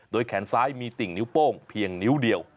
แขนซ้ายมีติ่งนิ้วโป้งเพียงนิ้วเดียว